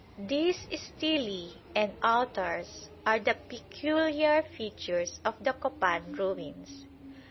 These stelae and altars are the peculiar features of the Copan ruins.